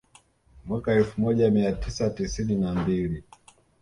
Mwaka elfu moja mia tisa tisini na mbili